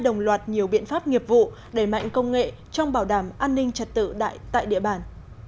đồng loạt nhiều biện pháp nghiệp vụ đẩy mạnh công nghệ trong bảo đảm an ninh trật tự tại địa bàn